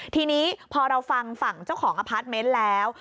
ทีนี้พอเราฟังฝั่งเจ้าของอพาร์ทเมนต์แล้ว